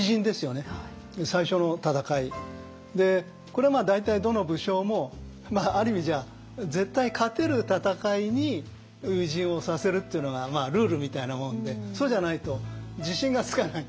これ大体どの武将もある意味じゃ絶対勝てる戦いに初陣をさせるっていうのがルールみたいなもんでそうじゃないと自信がつかない。